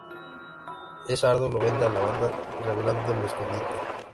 El Sardo lo vende a la banda, revelando el escondite.